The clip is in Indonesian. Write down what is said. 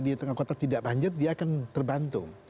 di tengah kota tidak banjir dia akan terbantu